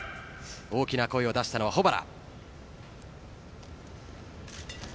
大きな声を出したのは保原。